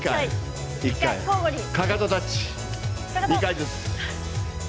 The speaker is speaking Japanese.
かかとタッチ、２回ずつ。